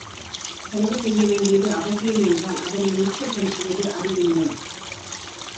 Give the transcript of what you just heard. செலவு செய்ய வேண்டியது அவசியம் என்றால் அதனை மிச்சப்படுத்துவது அறிவீனம்.